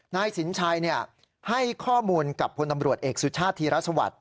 นายสินชัยให้ข้อมูลกับพลตำรวจเอกสุชาติธีรสวัสดิ